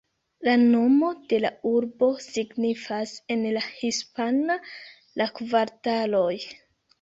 La nomo de la urbo signifas en la hispana "La kvartaloj".